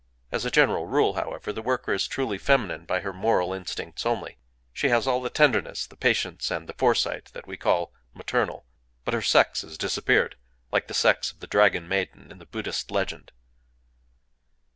As a general rule, however, the worker is truly feminine by her moral instincts only: she has all the tenderness, the patience, and the foresight that we call "maternal;" but her sex has disappeared, like the sex of the Dragon Maiden in the Buddhist legend.